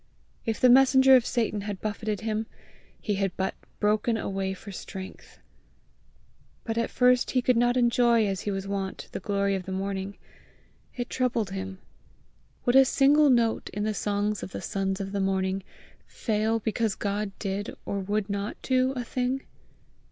If the messenger of Satan had buffeted him, he had but broken a way for strength! But at first he could not enjoy as he was wont the glory of the morning. It troubled him. Would a single note in the song of the sons of the morning fail because God did or would not do a thing?